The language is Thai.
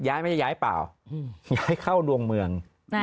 ไม่ได้ย้ายเปล่าย้ายเข้าดวงเมือง